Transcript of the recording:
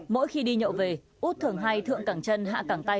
mỗi khi đi nhậu về út thường hay thượng cẳng chân hạ cẳng tay